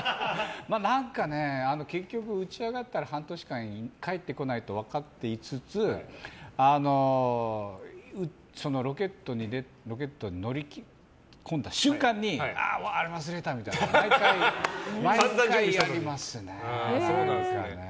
何かね、結局打ち上がったら半年間帰ってこないと分かっていつつロケットに乗り込んだ瞬間にあー、あれ忘れたみたいなの毎回やりますね。